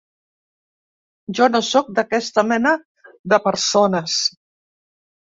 Jo no sóc d'aquesta mena de persones.